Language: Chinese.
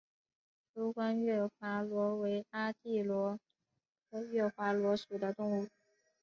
珠光月华螺为阿地螺科月华螺属的动物。